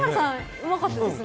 うまかったですね。